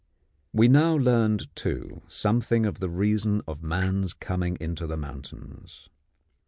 We now learned, too, something of the reason of man's coming into the mountains.